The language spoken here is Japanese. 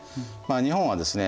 日本はですね